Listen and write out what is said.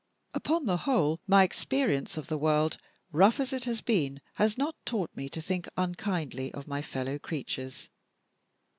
Upon the whole, my experience of the world, rough as it has been, has not taught me to think unkindly of my fellow creatures.